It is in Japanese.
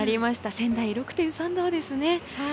仙台、６．３度ですね。